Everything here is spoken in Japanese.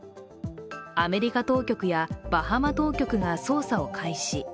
アメリカ当局やバハマ当局が捜査を開始。